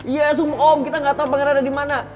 iya sum om kita gak tau panggilan ada di mana